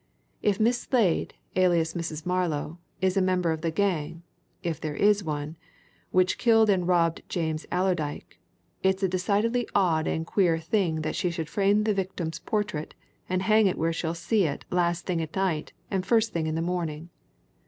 If Miss Slade, alias Mrs. Marlow, is a member of the gang if there is one which killed and robbed James Allerdyke, it's a decidedly odd and queer thing that she should frame the victim's portrait and hang it where she'll see it last thing at night and first thing in the morning.